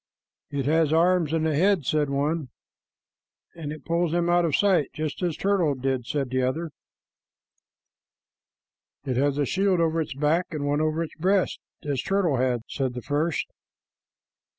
"It has arms and a head," said one. "And it pulls them out of sight just as Turtle did," said another. "It has a shield over its back and one over its breast, as Turtle had," said the first.